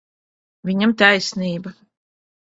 Viņam taisnība.